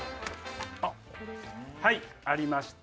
あっはいありました。